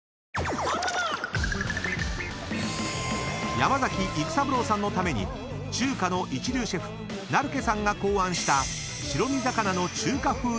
［山崎育三郎さんのために中華の一流シェフ成毛さんが考案した白身魚の中華風闇鍋］